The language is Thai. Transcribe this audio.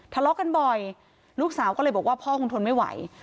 ทะเลาะกันบ่อยลูกสาวก็เลยบอกว่าพ่อคงทนไม่ไหว